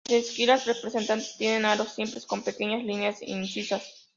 Las esquirlas presentadas tienen aros simples con pequeñas líneas incisas.